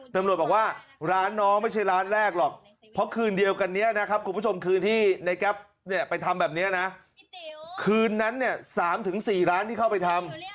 ตำรวจบอกว่าร้านน้องไม่ใช่ร้านแรกหรอกเพราะคืนเดียวกันนี้นะครับคุณผู้ชมคืนที่ในแก๊ปเนี่ยไปทำแบบนี้นะคืนนั้นเนี่ย๓๔ร้านที่เข้าไปทำ